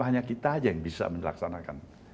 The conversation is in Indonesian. hanya kita saja yang bisa melaksanakan